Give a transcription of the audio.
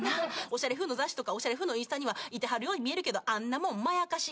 おしゃれ風の雑誌とかおしゃれ風のインスタにはいてはるように見えるけどあんなもんまやかし。